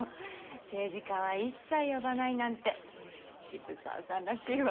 政治家は一切呼ばないなんて渋沢さんらしいわ。